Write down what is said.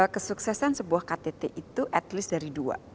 kesuksesan sebuah ktt itu at least dari dua